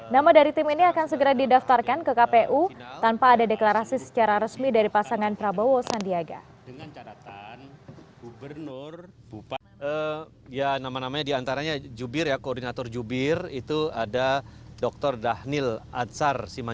nama dari tim ini akan segera didaftarkan ke kpu tanpa ada deklarasi secara resmi dari pasangan prabowo sandiaga